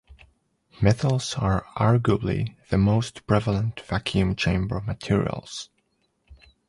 Metals are arguably the most prevalent vacuum chamber materials.